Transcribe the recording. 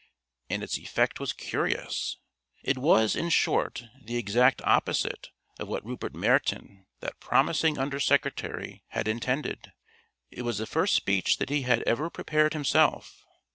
And its effect was curious. It was, in short, the exact opposite of what Rupert Meryton, that promising Under Secretary, had intended. It was the first speech that he had ever prepared himself.